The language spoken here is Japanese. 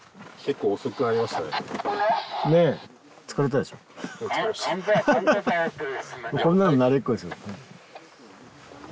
こんなの慣れっこですよ。